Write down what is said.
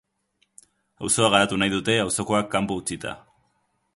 Auzoa garatu nahi dute auzokoak kanpo utzita.